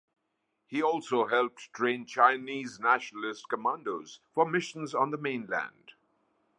He also helped train Chinese Nationalist commandos for missions on the mainland.